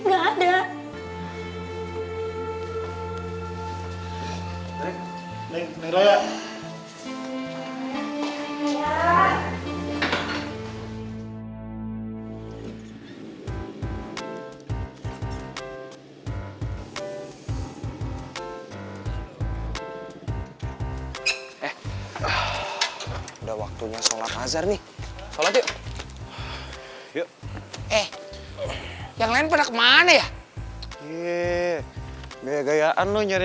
gak tau obar sama ni mana